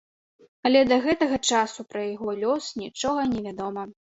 Але да гэтага часу пра яго лёс нічога не вядома.